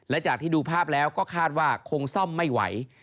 และจากที่ดูภาพแล้วก็คาดว่าคงซ่อมไม่ไหว